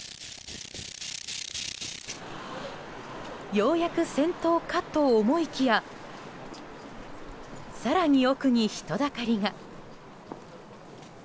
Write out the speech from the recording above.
ようやく先頭かと思いきや更に奥に人だかりが。